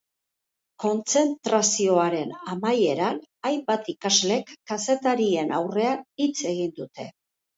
Kontzentrazioaren amaieran, hainbat ikaslek kazetarien aurrean hitz egin dute.